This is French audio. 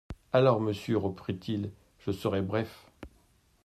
Alors, monsieur, reprit-il, je serai bref.